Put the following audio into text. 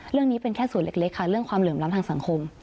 เรื่องนี้เป็นแค่ส่วนเล็กค่ะเรื่องความเหลื่อมล้ำทางสังคม